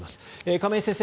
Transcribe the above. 亀井先生